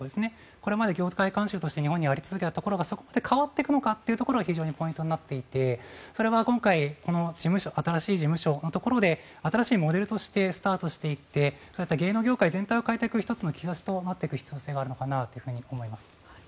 これまで業界慣習として日本にあり続けたところがそこで変わっていくのかというところが非常にポイントになっていてそれは今回この新しい事務所のところで新しいモデルとしてスタートしていって芸能業界全体を変えていく１つの兆しとなっていくのかなと思います。